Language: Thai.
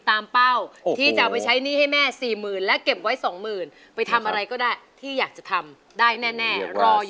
ตามเป้าที่จะไปใช้หนี้ให้แม่สี่หมื่นและเก็บไว้สองหมื่นไปทำอะไรก็ได้ที่อยากจะทำได้แน่รออยู่